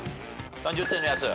３０点のやつ。